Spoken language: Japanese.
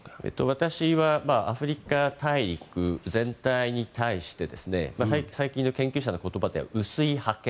私はアフリカ大陸全体に対して最近の研究者の言葉で薄い覇権。